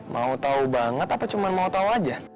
mau tau banget apa cuma mau tau aja